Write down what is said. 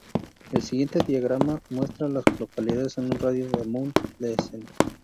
El siguiente diagrama muestra a las localidades en un radio de de Mount Pleasant.